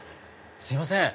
すいません。